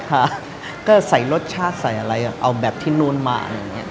ค่ะก็ใส่รสชาติใส่อะไรเอาแบบที่นู่นมาอย่างนี้